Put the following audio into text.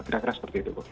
kira kira seperti itu bu